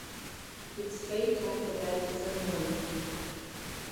Its fate after that is unknown.